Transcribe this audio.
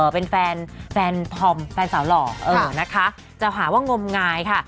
เป็นแฟนธอมแฟนสาวหล่อนะคะจะหาว่างมงายค่ะ